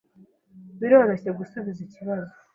Biroroshye gusubiza ikibazo.